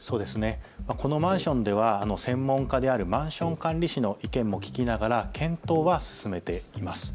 このマンションでは専門家であるマンション管理士の意見も聞きながら検討を進めています。